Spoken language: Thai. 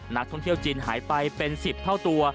นักท่องเที่ยวจีนหายไปเป็น๑๐เท่าตัว